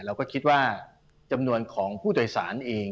เราก็คิดว่าจำนวนของผู้โดยสารเอง